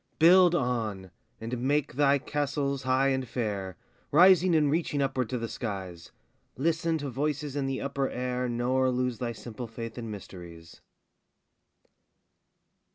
Build on, and make thy castles high and fair, Rising and reaching upward to the skies; Listen to voices in the upper air, Nor lose thy simple faith in mysteries.